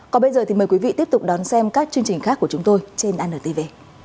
còn bây giờ thì mời quý vị tiếp tục đón xem các chương trình khác của chúng tôi trên antv